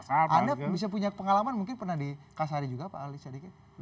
anda bisa punya pengalaman mungkin pernah dikasari juga pak ali sadikin